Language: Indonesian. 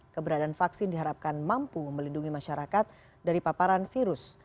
keberadaan vaksin diharapkan mampu melindungi masyarakat dari paparan virus